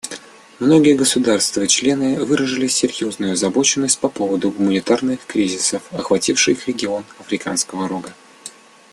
Многие государства-члены выражали серьезную озабоченность по поводу гуманитарных кризисов, охвативших регион Африканского Рога.